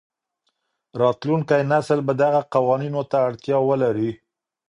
راتلونکی نسل به دغو قوانینو ته اړتیا ولري.